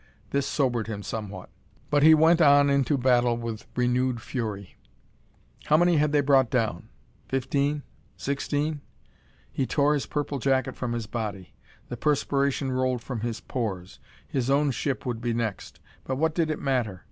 This sobered him somewhat, but he went into the battle with renewed fury. How many had they brought down? Fifteen? Sixteen? He tore his purple jacket from his body. The perspiration rolled from his pores. His own ship would be next. But what did it matter?